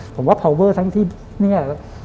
ผมว่าพอเวอร์ทั้งที่เนี่ย